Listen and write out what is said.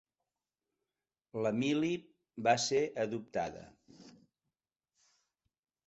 La Miley va ser adoptada.